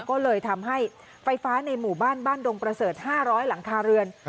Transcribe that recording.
ก็เลยทำให้ไฟฟ้าในหมู่บ้านบ้านดงประเสริฐ๕๐๐หลังคาเรือน